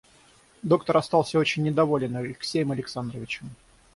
Доктор остался очень недоволен Алексеем Александровичем.